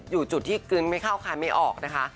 อยู่จุดที่กลืนไม่เข้าคายไม่ออกนะคะ